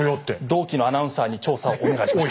同期のアナウンサーに調査をお願いしました。